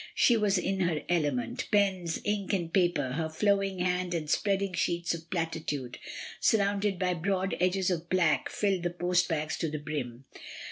She was in her element. Pens, ink, and paper, her flowing hand and spreading sheets of platitude, surrounded by broad edges of black, filled the post bags to the brim.